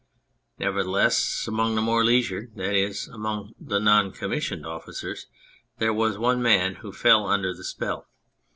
Nevertheless, among the more leisured, that is, among the non commissioned officers, there was one man who fell under the spell.